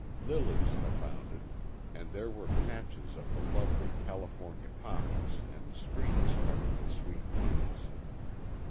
Lilies abounded, and there were patches of the lovely California poppies and screens covered with sweet peas.